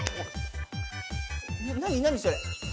何何それ。